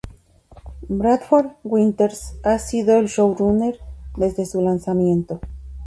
Bradford Winters ha sido el showrunner desde su lanzamiento.